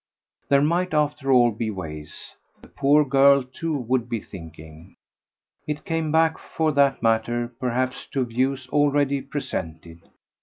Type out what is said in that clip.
There might after all be ways; the poor girl too would be thinking. It came back for that matter perhaps to views already presented.